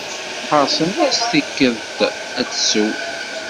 Herrsen-as-d tikedt ad tt-isew.